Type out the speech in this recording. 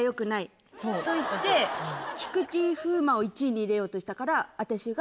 と言って菊池風磨を１位に入れようとしたから私が。